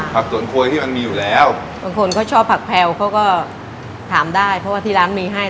สวนครัวที่มันมีอยู่แล้วบางคนก็ชอบผักแพลวเขาก็ถามได้เพราะว่าที่ร้านมีให้